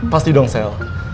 pasti dong sel